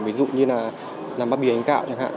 ví dụ như là làm bát bìa ánh gạo chẳng hạn